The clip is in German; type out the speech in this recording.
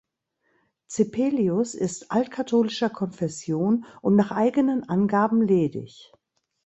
Zippelius ist altkatholischer Konfession und nach eigenen Angaben ledig.